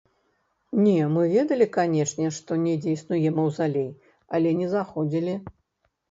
Не, мы ведалі, канечне, што недзе існуе маўзалей, але не заходзілі.